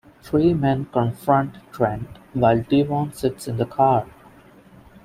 The three men confront Trent while Devon sits in the car.